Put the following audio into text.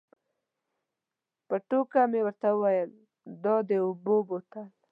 په ټوکه مې ورته وویل دا د اوبو بوتل.